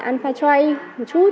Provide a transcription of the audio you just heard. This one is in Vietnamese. anpha tray một chút